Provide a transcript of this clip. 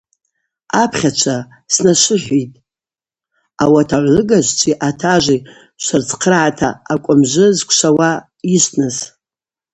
Апхьачва, снашвыхӏвитӏ, ауат агӏвлыгажвчви атажви швырцхърагӏата акӏвымжвы зквшвауа йышвтныс.